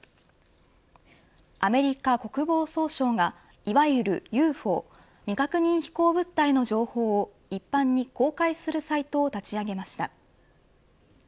アメリカ国防総省が、いわゆるＵＦＯ＝未確認飛行物体の情報を一般に公開するサイトを立ち上げました。